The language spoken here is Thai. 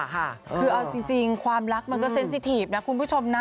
คือเอาจริงความรักมันก็เซ็นสิทีฟนะคุณผู้ชมนะ